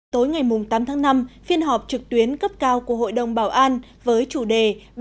tối ngày tám tháng năm phiên họp trực tuyến cấp cao của hội đồng bảo an với chủ đề